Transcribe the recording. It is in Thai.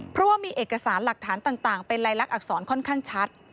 เพราะว่ามีเอกสารหลักฐานต่างเป็นลายลักษรค่อนข้างชัด